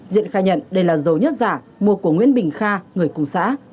diện khai nhận đây là dầu nhất giả mua của nguyễn bình kha người cùng xã